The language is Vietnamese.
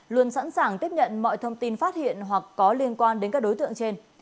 luôn sẵn sàng tiếp nhận mọi thông tin phát hiện hoặc có liên quan đến các đối tượng trên